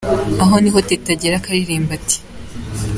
Aha niho Teta agera akaririmba ati:.